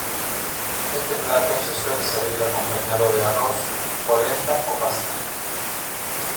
Este plato se suele servir acompañado de arroz, polenta o pasta.